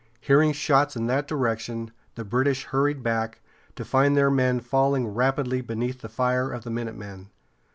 Hearing shots in that direction, the British hurried back, to find their men falling rapidly beneath the fire of the minutemen.